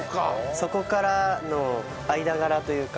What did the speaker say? そこからの間柄というか。